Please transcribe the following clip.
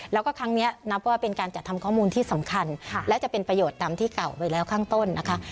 แล้วก็ครั้งนี้นับว่าเป็นการจัดทำข้อมูลที่สำคัญและจะเป็นประโยชน์ตามที่เก่าไปแล้วข้างต้นนะคะ